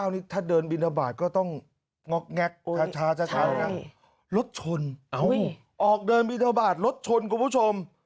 นี่ถ้าเดินบินทบาทก็ต้องงอกแง็กชาเลยนะรถชนออกเดินบินทบาทรถชนคุณผู้ชม